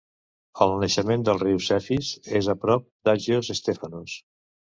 El naixement del riu Cefís és a prop d'Agios Stefanos.